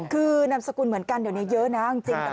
คือนามสกุลเหมือนกันเดี๋ยวนี้เยอะนะจริง